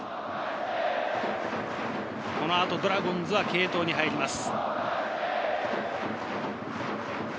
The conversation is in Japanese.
この後、ドラゴンズは継投に入ります。